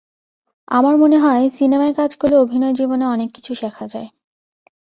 আমার মনে হয়, সিনেমায় কাজ করলে অভিনয় জীবনে অনেক কিছু শেখা যায়।